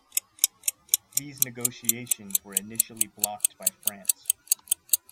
These negotiations were initially blocked by France.